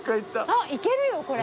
あっいけるよこれ。